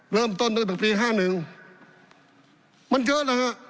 เริ่มต้นตั้งแต่ปีห้าหนึ่งมันเยอะแล้วฮะ